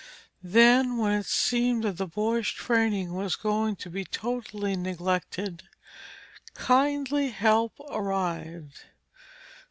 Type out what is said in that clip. Then when it seemed that the boy's training was going to be totally neglected, kindly help arrived.